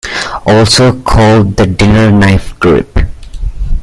Also called the "dinner knife" grip.